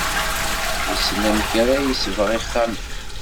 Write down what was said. Yessen amek ara yesbeɣ ixxamen.